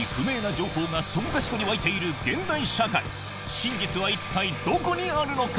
真実は一体どこにあるのか？